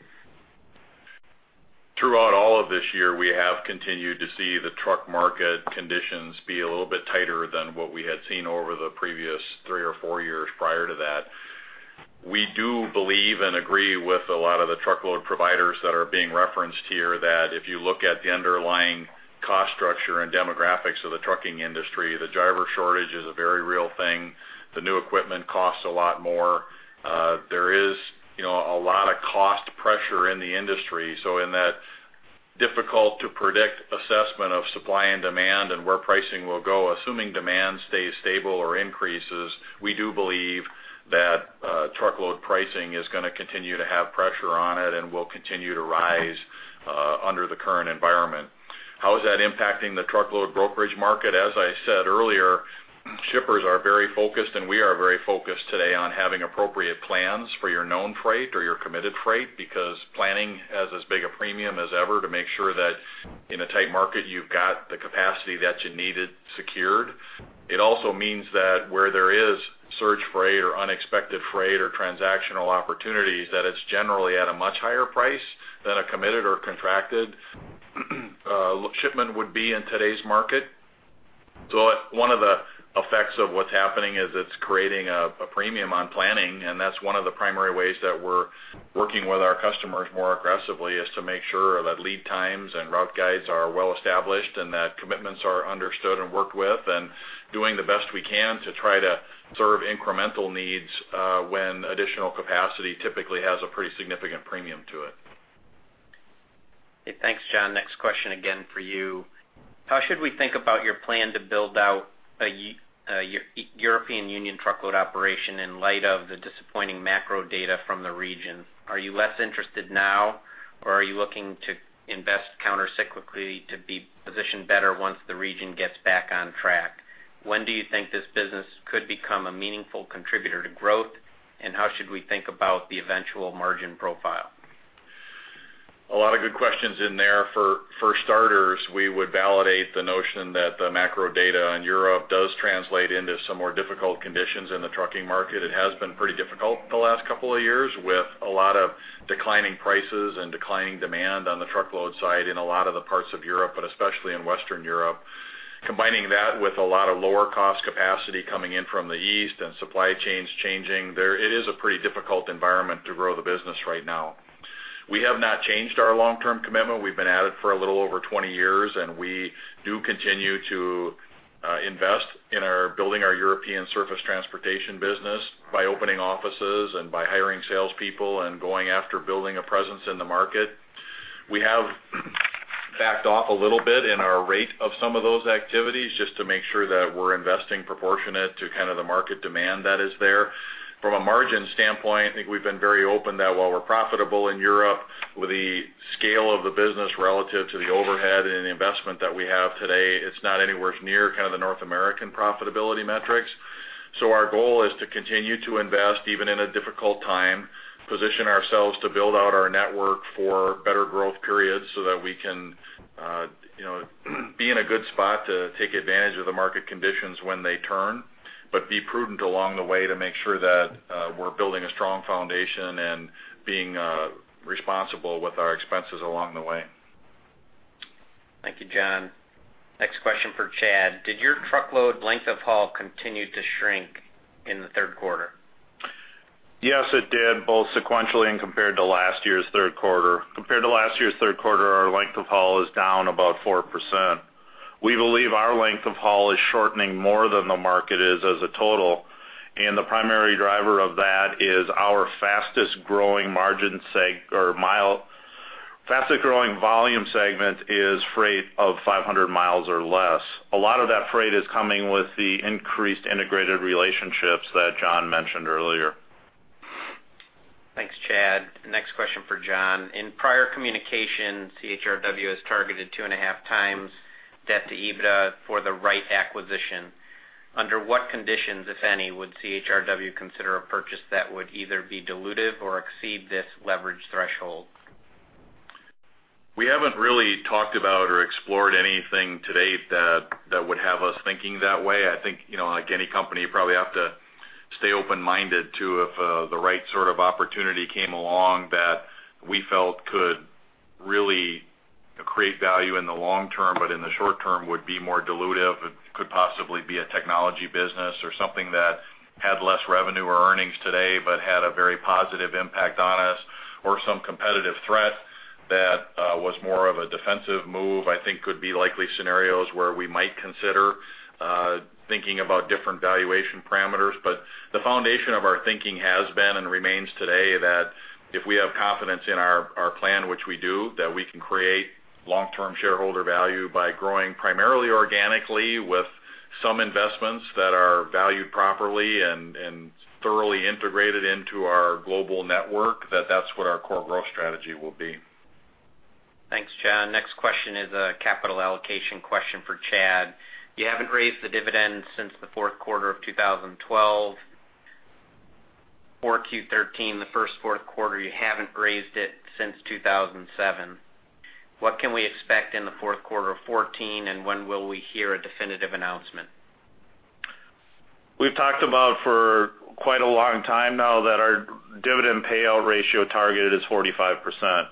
Throughout all of this year, we have continued to see the truck market conditions be a little bit tighter than what we had seen over the previous three or four years prior to that. We do believe and agree with a lot of the truckload providers that are being referenced here, that if you look at the underlying cost structure and demographics of the trucking industry, the driver shortage is a very real thing. The new equipment costs a lot more. There is a lot of cost pressure in the industry. In that difficult-to-predict assessment of supply and demand and where pricing will go, assuming demand stays stable or increases, we do believe that truckload pricing is going to continue to have pressure on it and will continue to rise under the current environment. How is that impacting the truckload brokerage market? As I said earlier, shippers are very focused, and we are very focused today on having appropriate plans for your known freight or your committed freight, because planning has as big a premium as ever to make sure that in a tight market, you've got the capacity that you needed secured. It also means that where there is surge freight or unexpected freight or transactional opportunities, that it's generally at a much higher price than a committed or contracted shipment would be in today's market. One of the effects of what's happening is it's creating a premium on planning, and that's one of the primary ways that we're working with our customers more aggressively, is to make sure that lead times and route guides are well established and that commitments are understood and worked with. Doing the best we can to try to serve incremental needs when additional capacity typically has a pretty significant premium to it. Okay. Thanks, John. Next question, again, for you. How should we think about your plan to build out a European Union truckload operation in light of the disappointing macro data from the region? Are you less interested now, or are you looking to invest countercyclically to be positioned better once the region gets back on track? When do you think this business could become a meaningful contributor to growth, and how should we think about the eventual margin profile? A lot of good questions in there. For starters, we would validate the notion that the macro data on Europe does translate into some more difficult conditions in the trucking market. It has been pretty difficult the last couple of years, with a lot of declining prices and declining demand on the truckload side in a lot of the parts of Europe, but especially in Western Europe. Combining that with a lot of lower-cost capacity coming in from the East and supply chains changing, it is a pretty difficult environment to grow the business right now. We have not changed our long-term commitment. We've been at it for a little over 20 years, and we do continue to invest in building our European Surface Transportation business by opening offices and by hiring salespeople and going after building a presence in the market. We have backed off a little bit in our rate of some of those activities, just to make sure that we're investing proportionate to the market demand that is there. From a margin standpoint, I think we've been very open that while we're profitable in Europe, with the scale of the business relative to the overhead and the investment that we have today, it's not anywhere near the North American profitability metrics. Our goal is to continue to invest even in a difficult time, position ourselves to build out our network for better growth periods so that we can be in a good spot to take advantage of the market conditions when they turn, but be prudent along the way to make sure that we're building a strong foundation and being responsible with our expenses along the way. Thank you, John. Next question for Chad. Did your truckload length of haul continue to shrink in the third quarter? Yes, it did, both sequentially and compared to last year's third quarter. Compared to last year's third quarter, our length of haul is down about 4%. We believe our length of haul is shortening more than the market is as a total. The primary driver of that is our fastest-growing volume segment is freight of 500 miles or less. A lot of that freight is coming with the increased integrated relationships that John mentioned earlier. Thanks, Chad. Next question for John. In prior communications, CHRW has targeted 2.5x debt to EBITDA for the right acquisition. Under what conditions, if any, would CHRW consider a purchase that would either be dilutive or exceed this leverage threshold? We haven't really talked about or explored anything to date that would have us thinking that way. I think, like any company, you probably have to stay open-minded to if the right sort of opportunity came along that we felt could really create value in the long term, but in the short term would be more dilutive. It could possibly be a technology business or something that had less revenue or earnings today, but had a very positive impact on us, or some competitive threat that was more of a defensive move, I think could be likely scenarios where we might consider thinking about different valuation parameters. The foundation of our thinking has been, and remains today, that if we have confidence in our plan, which we do, that we can create long-term shareholder value by growing primarily organically with some investments that are valued properly and thoroughly integrated into our global network, that that's what our core growth strategy will be. Thanks, John. Next question is a capital allocation question for Chad. You haven't raised the dividend since the fourth quarter of 2012. For Q4 2013, the first time in a fourth quarter, you haven't raised it since 2007. What can we expect in the fourth quarter of 2014, and when will we hear a definitive announcement? We've talked about for quite a long time now that our dividend payout ratio target is 45%.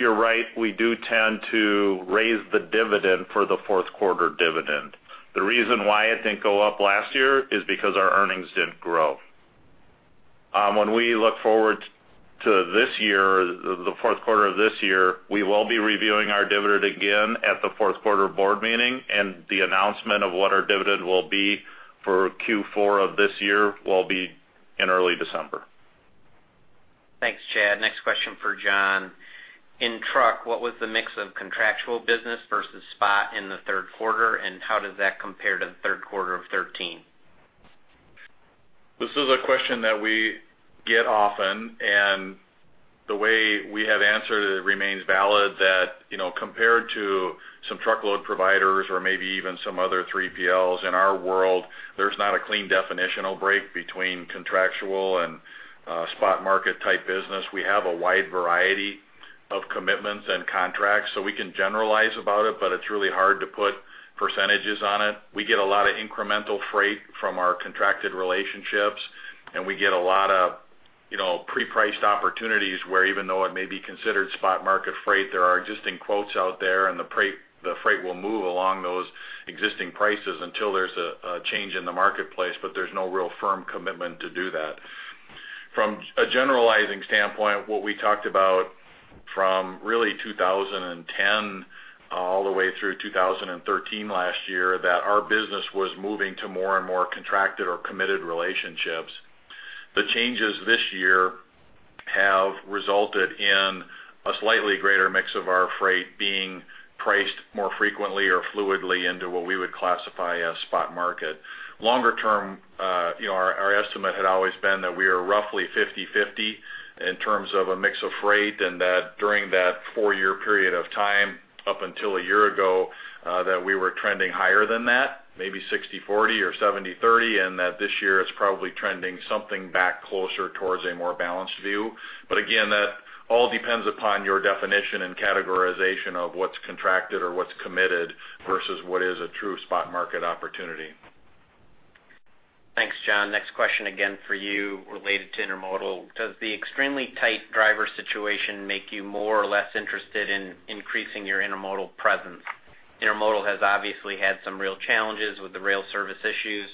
You're right, we do tend to raise the dividend for the fourth quarter dividend. The reason why it didn't go up last year is because our earnings didn't grow. When we look forward to the fourth quarter of this year, we will be reviewing our dividend again at the fourth quarter board meeting, and the announcement of what our dividend will be for Q4 of this year will be in early December. Thanks, Chad. Next question for John. In truck, what was the mix of contractual business versus spot in the third quarter, and how does that compare to the third quarter of 2013? This is a question that we get often, and the way we have answered it remains valid that compared to some truckload providers or maybe even some other 3PLs in our world, there's not a clean definitional break between contractual and spot market type business. We have a wide variety of commitments and contracts, so we can generalize about it, but it's really hard to put percentages on it. We get a lot of incremental freight from our contracted relationships, and we get a lot of pre-priced opportunities where even though it may be considered spot market freight, there are existing quotes out there, and the freight will move along those existing prices until there's a change in the marketplace, but there's no real firm commitment to do that. From a generalizing standpoint, what we talked about from really 2010 all the way through 2013 last year, that our business was moving to more and more contracted or committed relationships. The changes this year have resulted in a slightly greater mix of our freight being priced more frequently or fluidly into what we would classify as spot market. Longer term, our estimate had always been that we are roughly 50/50 in terms of a mix of freight, and that during that four-year period of time, up until a year ago, that we were trending higher than that, maybe 60/40 or 70/30, and that this year it's probably trending something back closer towards a more balanced view. Again, that all depends upon your definition and categorization of what's contracted or what's committed versus what is a true spot market opportunity. Thanks, John. Next question again for you related to intermodal. Does the extremely tight driver situation make you more or less interested in increasing your intermodal presence? Intermodal has obviously had some real challenges with the rail service issues.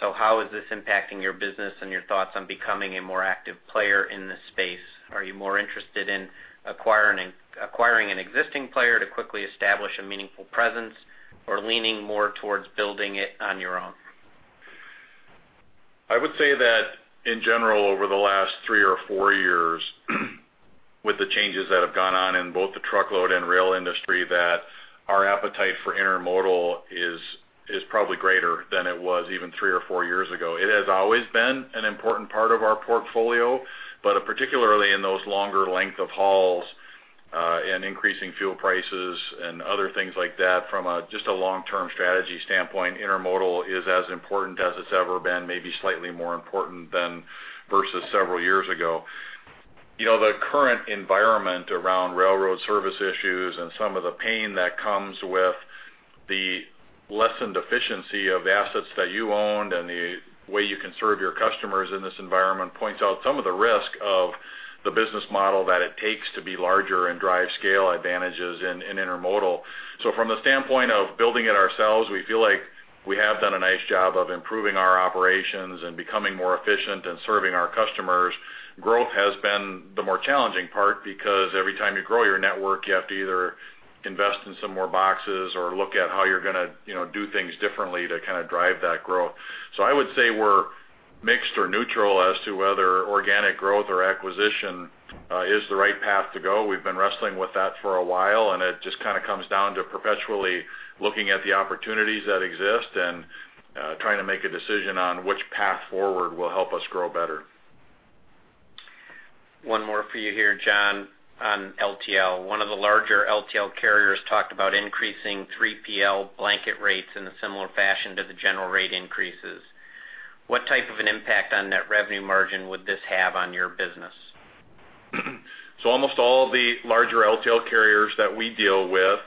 How is this impacting your business and your thoughts on becoming a more active player in this space? Are you more interested in acquiring an existing player to quickly establish a meaningful presence or leaning more towards building it on your own? I would say that in general, over the last three or four years, with the changes that have gone on in both the truckload and rail industry, that our appetite for intermodal is probably greater than it was even three or four years ago. It has always been an important part of our portfolio, but particularly in those longer length of hauls and increasing fuel prices and other things like that from just a long-term strategy standpoint, intermodal is as important as it's ever been, maybe slightly more important than versus several years ago. The current environment around railroad service issues and some of the pain that comes with the lessened efficiency of assets that you owned and the way you can serve your customers in this environment points out some of the risk of the business model that it takes to be larger and drive scale advantages in intermodal. From the standpoint of building it ourselves, we feel like we have done a nice job of improving our operations and becoming more efficient and serving our customers. Growth has been the more challenging part, because every time you grow your network, you have to either invest in some more boxes or look at how you're going to do things differently to kind of drive that growth. I would say we're mixed or neutral as to whether organic growth or acquisition is the right path to go. We've been wrestling with that for a while, and it just kind of comes down to perpetually looking at the opportunities that exist and trying to make a decision on which path forward will help us grow better. One more for you here, John, on LTL. One of the larger LTL carriers talked about increasing 3PL blanket rates in a similar fashion to the general rate increases. What type of an impact on net revenue margin would this have on your business? Almost all of the larger LTL carriers that we deal with,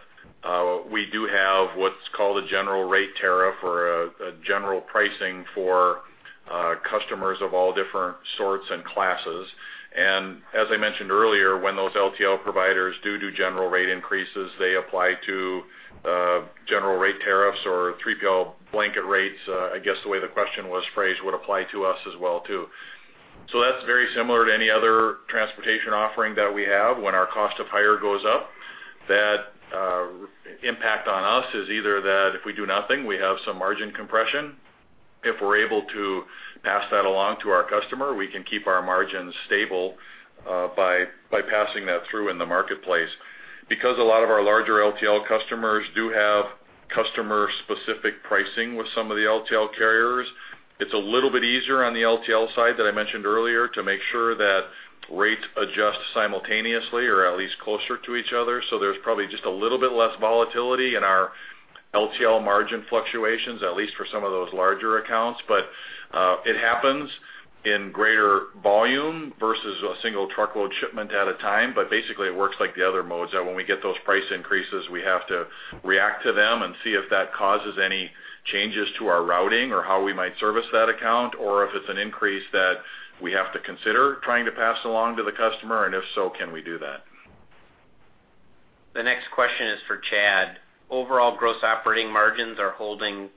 we do have what's called a general rate tariff, or a general pricing for customers of all different sorts and classes. As I mentioned earlier, when those LTL providers do general rate increases, they apply to general rate tariffs or 3PL blanket rates. I guess the way the question was phrased would apply to us as well, too. That's very similar to any other transportation offering that we have. When our cost of hire goes up, that impact on us is either that if we do nothing, we have some margin compression. If we're able to pass that along to our customer, we can keep our margins stable by passing that through in the marketplace. Because a lot of our larger LTL customers do have customer-specific pricing with some of the LTL carriers, it's a little bit easier on the LTL side that I mentioned earlier to make sure that rates adjust simultaneously or at least closer to each other. There's probably just a little bit less volatility in our LTL margin fluctuations, at least for some of those larger accounts. It happens in greater volume versus a single truckload shipment at a time. Basically, it works like the other modes, that when we get those price increases, we have to react to them and see if that causes any changes to our routing or how we might service that account, or if it's an increase that we have to consider trying to pass along to the customer, and if so, can we do that? The next question is for Chad. Overall gross operating margins are holding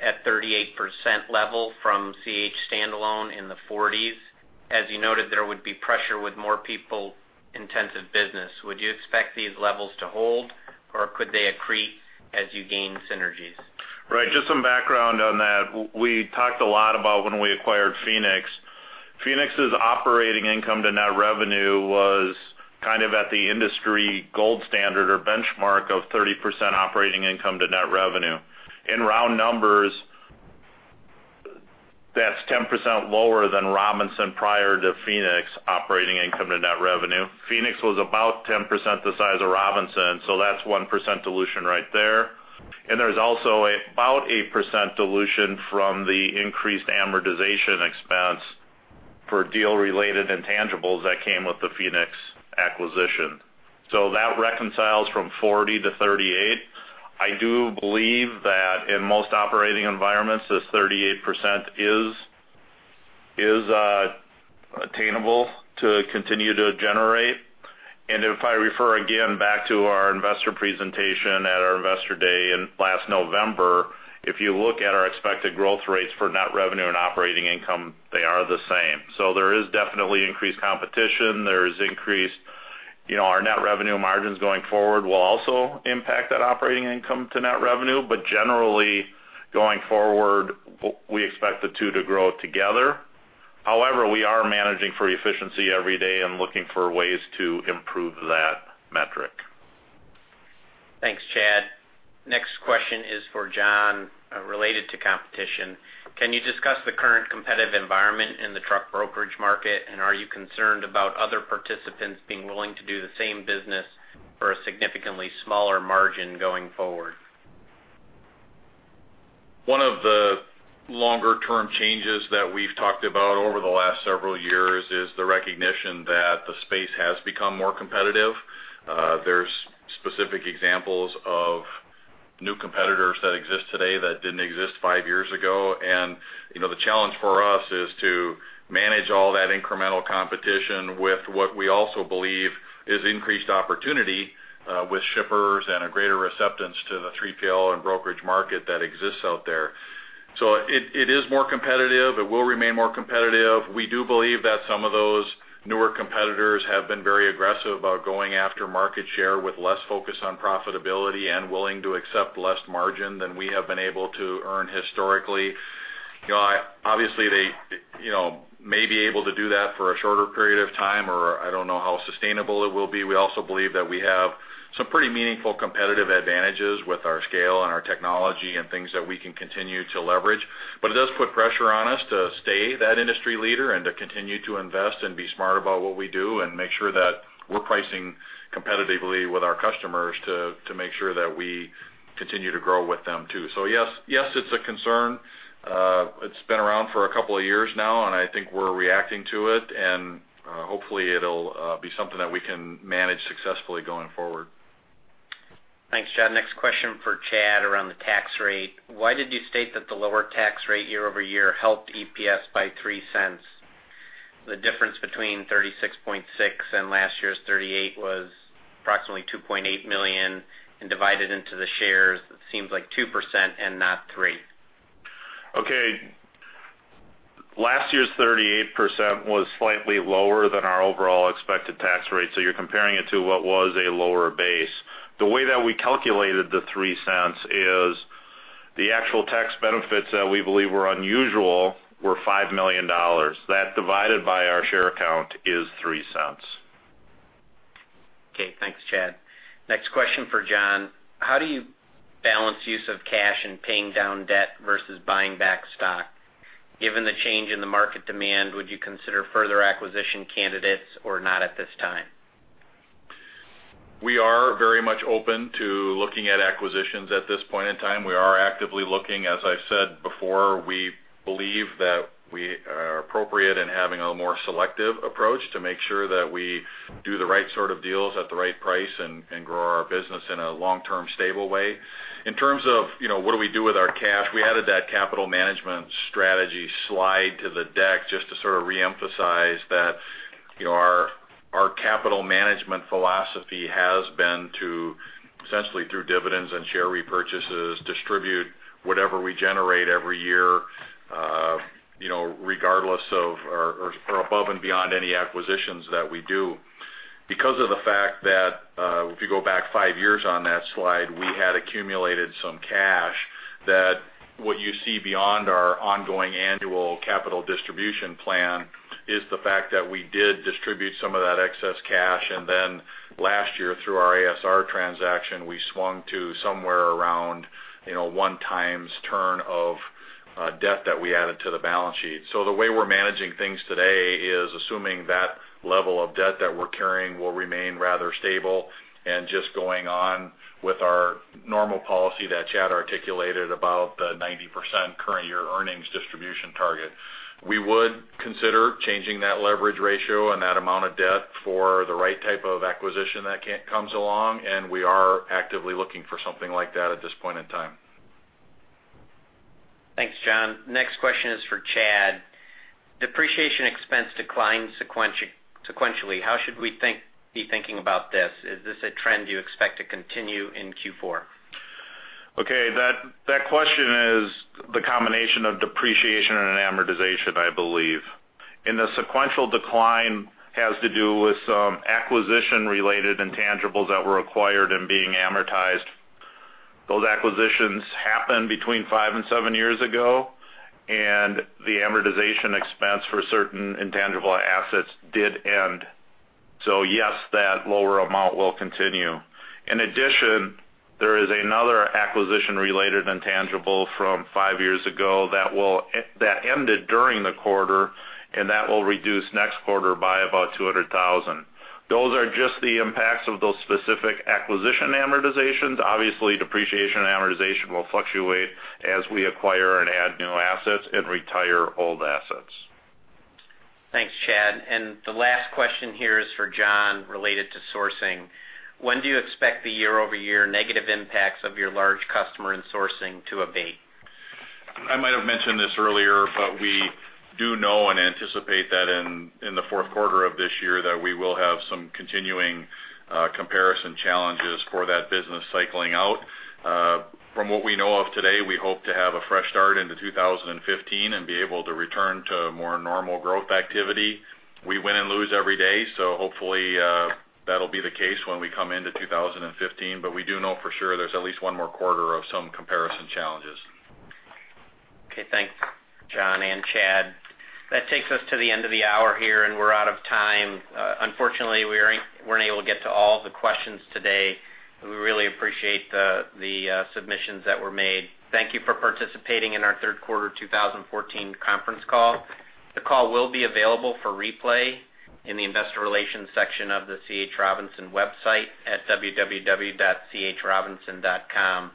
at 38% level from C.H. standalone in the 40s. As you noted, there would be pressure with more people-intensive business. Would you expect these levels to hold, or could they accrete as you gain synergies? Right. Just some background on that. We talked a lot about when we acquired Phoenix. Phoenix's operating income to net revenue was kind of at the industry gold standard or benchmark of 30% operating income to net revenue. In round numbers, that's 10% lower than Robinson prior to Phoenix operating income to net revenue. Phoenix was about 10% the size of Robinson, so that's 1% dilution right there. There's also about an 8% dilution from the increased amortization expense for deal-related intangibles that came with the Phoenix acquisition. That reconciles from 40-38. I do believe that in most operating environments, this 38% is attainable to continue to generate. If I refer again back to our investor presentation at our investor day last November, if you look at our expected growth rates for net revenue and operating income, they are the same. There is definitely increased competition. Our net revenue margins going forward will also impact that operating income to net revenue. Generally, going forward, we expect the two to grow together. However, we are managing for efficiency every day and looking for ways to improve that metric. Thanks, Chad. Next question is for John, related to competition. Can you discuss the current competitive environment in the truck brokerage market, and are you concerned about other participants being willing to do the same business for a significantly smaller margin going forward? One of the longer-term changes that we've talked about over the last several years is the recognition that the space has become more competitive. There's specific examples of new competitors that exist today that didn't exist five years ago. The challenge for us is to manage all that incremental competition with what we also believe is increased opportunity with shippers and a greater acceptance to the 3PL and brokerage market that exists out there. It is more competitive. It will remain more competitive. We do believe that some of those newer competitors have been very aggressive about going after market share with less focus on profitability and willing to accept less margin than we have been able to earn historically. Obviously, they may be able to do that for a shorter period of time, or I don't know how sustainable it will be. We also believe that we have some pretty meaningful competitive advantages with our scale and our technology and things that we can continue to leverage. It does put pressure on us to stay that industry leader and to continue to invest and be smart about what we do and make sure that we're pricing competitively with our customers to make sure that we continue to grow with them too. Yes, it's a concern. It's been around for a couple of years now, and I think we're reacting to it, and hopefully, it'll be something that we can manage successfully going forward. Thanks, John. Next question for Chad around the tax rate. Why did you state that the lower tax rate year-over-year helped EPS by $0.03? The difference between 36.6% and last year's 38% was approximately $2.8 million and divided into the shares, it seems like $0.02 And not $0.03. Okay. Last year's 38% was slightly lower than our overall expected tax rate. You're comparing it to what was a lower base. The way that we calculated the $0.03 is the actual tax benefits that we believe were unusual were $5 million. That divided by our share count is $0.03. Okay, thanks, Chad. Next question for John. How do you balance use of cash and paying down debt versus buying back stock? Given the change in the market demand, would you consider further acquisition candidates or not at this time? We are very much open to looking at acquisitions at this point in time. We are actively looking. As I've said before, we believe that we are appropriate in having a more selective approach to make sure that we do the right sort of deals at the right price and grow our business in a long-term stable way. In terms of what do we do with our cash, we added that capital management strategy slide to the deck just to sort of reemphasize that our capital management philosophy has been to essentially, through dividends and share repurchases, distribute whatever we generate every year above and beyond any acquisitions that we do. Because of the fact that, if you go back five years on that slide, we had accumulated some cash that what you see beyond our ongoing annual capital distribution plan is the fact that we did distribute some of that excess cash, and then last year, through our ASR transaction, we swung to somewhere around one times turn of debt that we added to the balance sheet. The way we're managing things today is assuming that level of debt that we're carrying will remain rather stable and just going on with our normal policy that Chad articulated about the 90% current year earnings distribution target. We would consider changing that leverage ratio and that amount of debt for the right type of acquisition that comes along, and we are actively looking for something like that at this point in time. Thanks, John. Next question is for Chad. Depreciation expense declined sequentially. How should we be thinking about this? Is this a trend you expect to continue in Q4? Okay. That question is the combination of depreciation and amortization, I believe. The sequential decline has to do with some acquisition-related intangibles that were acquired and being amortized. Those acquisitions happened between five and seven years ago, and the amortization expense for certain intangible assets did end. Yes, that lower amount will continue. In addition, there is another acquisition-related intangible from five years ago that ended during the quarter, and that will reduce next quarter by about $200,000. Those are just the impacts of those specific acquisition amortizations. Obviously, depreciation and amortization will fluctuate as we acquire and add new assets and retire old assets. Thanks, Chad. The last question here is for John, related to sourcing. When do you expect the year-over-year negative impacts of your large customer and sourcing to abate? I might have mentioned this earlier, we do know and anticipate that in the fourth quarter of this year that we will have some continuing comparison challenges for that business cycling out. From what we know of today, we hope to have a fresh start into 2015 and be able to return to more normal growth activity. We win and lose every day, hopefully, that'll be the case when we come into 2015. We do know for sure there's at least one more quarter of some comparison challenges. Okay. Thanks, John and Chad. That takes us to the end of the hour here, and we're out of time. Unfortunately, we weren't able to get to all of the questions today. We really appreciate the submissions that were made. Thank you for participating in our third quarter 2014 conference call. The call will be available for replay in the investor relations section of the C. H. Robinson website at www.chrobinson.com.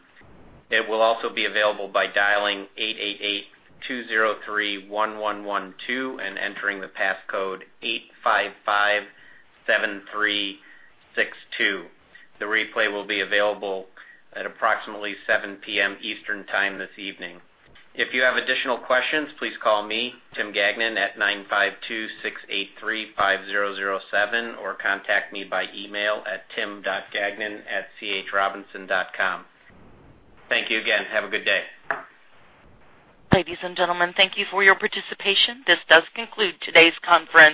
It will also be available by dialing 888-203-1112 and entering the passcode 8557362. The replay will be available at approximately 7:00 P.M. Eastern Time this evening. If you have additional questions, please call me, Tim Gagnon, at 952-683-5007, or contact me by email at tim.gagnon@chrobinson.com. Thank you again. Have a good day. Ladies and gentlemen, thank you for your participation. This does conclude today's conference.